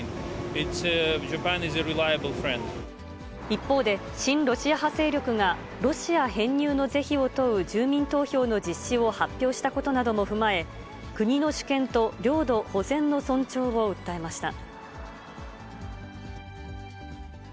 一方で、親ロシア派勢力がロシア編入の是非を問う住民投票の実施を発表したことなども踏まえ、国の主権と領土保全の尊重を訴えました。